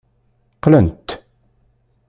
Qqlent.